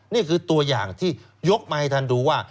นี่คือตัวอย่างที่ยกมาให้ท่านดูว่า